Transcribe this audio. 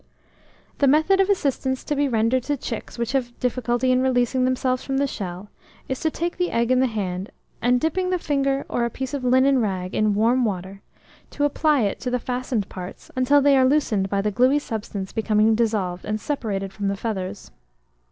The method of assistance to be rendered to chicks which have a difficulty in releasing themselves from the shell, is to take the egg in the hand, and dipping the finger or a piece of linen rag in warm water, to apply it to the fastened parts until they are loosened by the gluey substance becoming dissolved and separated from the feathers.